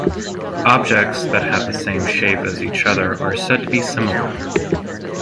Objects that have the same shape as each other are said to be similar.